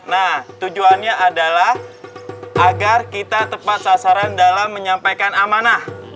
nah tujuannya adalah agar kita tepat sasaran dalam menyampaikan amanah